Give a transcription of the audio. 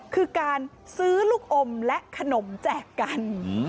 คือการซื้อลูกอมและขนมแจกกัน